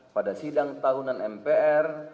pada sidang tahunan mpr